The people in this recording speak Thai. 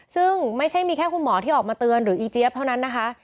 ซึ่งไม่ใช่มีแค่คุณหมอที่ออกมาเตือนหรืออีเจี๊ยบเท่านั้นนะคะ